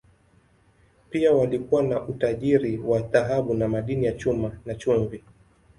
Pia walikuwa na utajiri wa dhahabu na madini ya chuma, na chumvi.